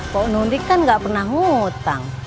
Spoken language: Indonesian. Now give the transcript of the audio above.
kok nudik kan gak pernah ngutang